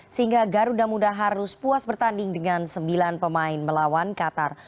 sehingga garuda muda harus puas bertanding dengan sembilan pemain melawan qatar